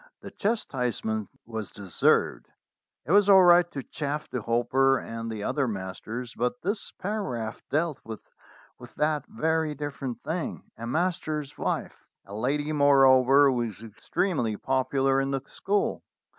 The chastisement was deserved. It was all right to chaff the Hopper and the other masters, but this paragraph dealt with that very different thing, a master's wife a lady, moreover, who was extremely popular in the school.